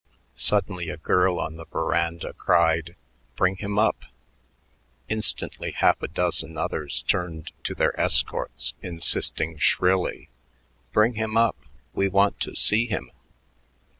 Suddenly a girl on the veranda cried, "Bring him up!" Instantly half a dozen others turned to their escorts, insisting shrilly: "Bring him up. We want to see him."